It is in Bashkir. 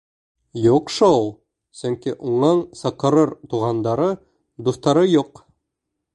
Юҡ шу-ул. Сөнки уның саҡырыр туғандары, дуҫтары юҡ.